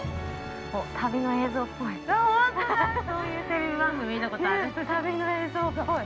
◆旅の映像っぽい。